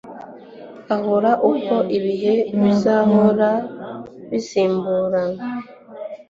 uhoraho, uko ibihe bizahora bisimburana